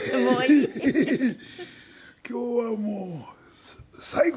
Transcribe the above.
今日はもう最後。